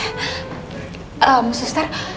eh musuh star